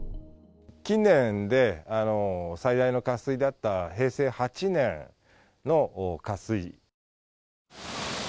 近年で、最大の渇水であった平成８年の渇水。